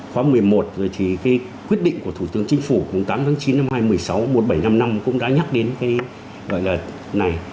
khóa một mươi một rồi thì cái quyết định của thủ tướng chính phủ mùng tám tháng chín năm hai nghìn một mươi sáu một nghìn bảy trăm năm mươi năm cũng đã nhắc đến cái gọi là này